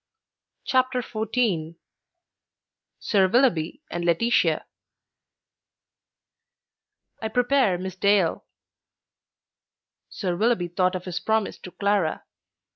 CHAPTER XIV SIR WILLOUGHBY AND LAETITIA "I prepare Miss Dale." Sir Willoughby thought of his promise to Clara.